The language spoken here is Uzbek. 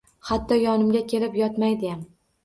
Hatto yonimga kelib yotmadiyam.